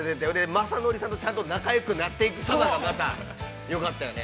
まさのりさんと、ちゃんと仲よくなっていく姿が、よかったよね。